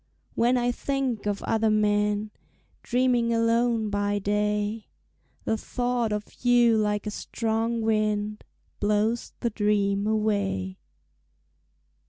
When I think of other men, Dreaming alone by day, The thought of you like a strong wind Blows the dreams away.